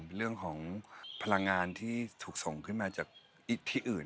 เป็นเรื่องของพลังงานที่ถูกส่งขึ้นมาจากที่อื่น